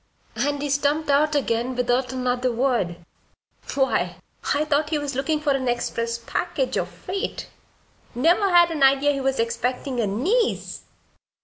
And he stumped out again without another word. Why, I thought he was looking for an express package, or freight. Never had an idea he was expectin' a niece!"